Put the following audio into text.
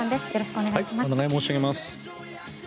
お願い申し上げます。